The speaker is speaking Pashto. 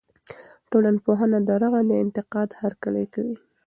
ټولنپوهنه د رغنده انتقاد هرکلی کوي.